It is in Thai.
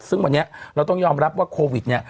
ซึ่งวันนี้เราต้องยอมรับว่าโควิดเนี่ย